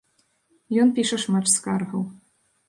Ён піша шмат скаргаў.